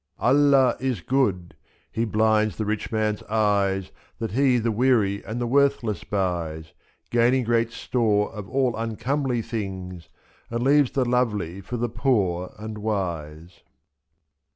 Allah is good! he blinds the rich man's eyes That he the weary and the worthless buys, 7^0 Gaining great store of all uncomely things. And leaves the lovely for the poor and wise.